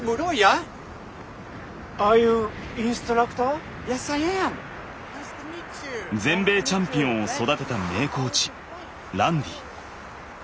Ｙｅｓ，Ｉａｍ．全米チャンピオンを育てた名コーチランディ。